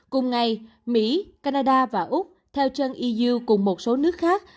cùng ngày mỹ canada và úc theo chân eu cùng một số nước khác